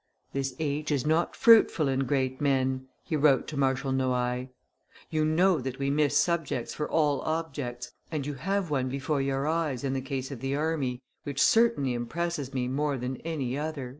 "This age is not fruitful in great men," he wrote to Marshal Noailles: "you know that we miss subjects for all objects, and you have one before your eyes in the case of the army which certainly impresses me more than any other."